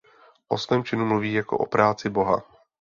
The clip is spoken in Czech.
O svém činu mluví jako o "práci boha".